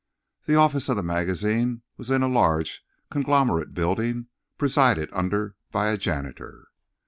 The office of the magazine was in a large, conglomerate building, presided under by a janitor.